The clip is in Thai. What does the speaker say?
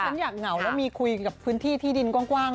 ฉันอยากเหงาแล้วมีคุยกับพื้นที่ที่ดินกว้าง